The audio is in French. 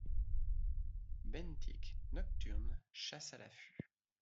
Benthique, nocturne, chasse à l'affût.